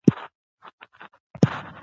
ماشوم نوې پوښتنه په زړورتیا وکړه